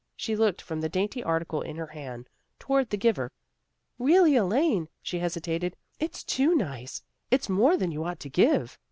She looked from the dainty article in her hand toward the giver. " Really, Elaine," she hesitated, " it's too nice. It's more than you ought to give."